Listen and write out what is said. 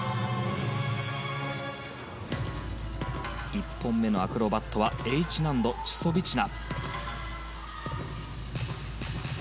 １本目のアクロバットはＨ難度、チュソビチナ。